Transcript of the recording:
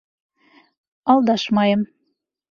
Алдашмайым!